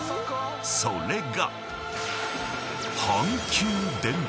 ［それが］